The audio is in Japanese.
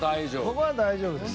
ここは大丈夫です。